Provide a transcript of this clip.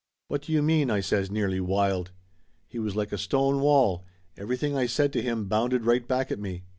"What do you mean?" I says, nearly wild. He was like a stone wall everything I said to him bounded right back at me.